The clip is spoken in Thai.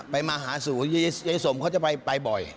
มาหาสู่ยายสมเขาจะไปบ่อย